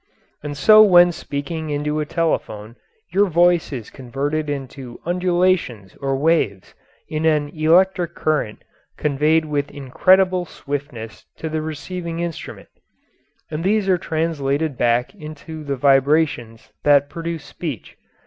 And so when speaking into a telephone your voice is converted into undulations or waves in an electric current conveyed with incredible swiftness to the receiving instrument, and these are translated back into the vibrations that produce speech.